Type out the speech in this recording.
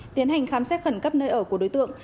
tiến hành khám xét khẩn cấp nơi ở của đối tượng